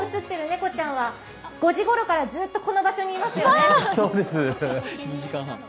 今、映っている猫ちゃんは５時ごろからずっとここにいますよね。